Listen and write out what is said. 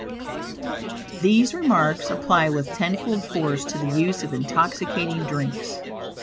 These remarks apply with tenfold force to the use of intoxicating drinks.